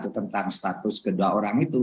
tentang status kedua orang itu